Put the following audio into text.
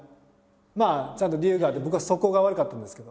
まあちゃんと理由があって僕は素行が悪かったんですけど。